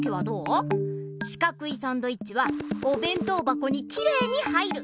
しかくいサンドイッチはおべん当ばこにきれいに入る！